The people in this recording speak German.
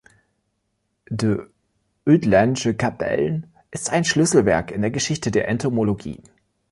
„De Uitlandsche Kapellen“ ist ein Schlüsselwerk in der Geschichte der Entomologie.